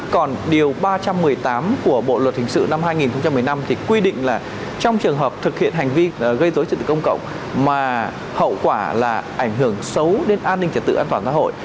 còn điều ba trăm một mươi tám của bộ luật hình sự năm hai nghìn một mươi năm thì quy định là trong trường hợp thực hiện hành vi gây dối trật tự công cộng mà hậu quả là ảnh hưởng xấu đến an ninh trật tự an toàn xã hội